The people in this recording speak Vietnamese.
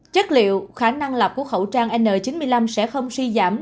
chất liệu khả năng lạc của khẩu trang n chín mươi năm sẽ không suy giảm